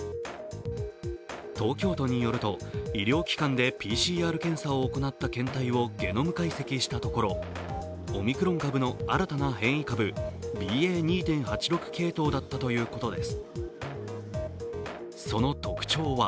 東京都によると医療機関でＰＣＲ検査を行った検体をゲノム解析したところ、オミクロン株の新たな変異株、ＢＡ．２．８６系統だったということです。